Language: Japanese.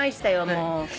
もう。